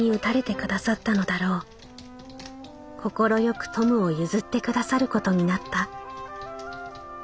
快くトムを譲ってくださることになった。